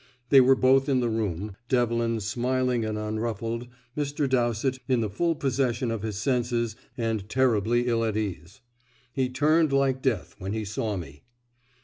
They were both in the room, Devlin smiling and unruffled, Mr. Dowsett in the full possession of his senses, and terribly ill at ease. He turned like death when he saw me.